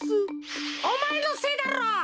おまえのせいだろ！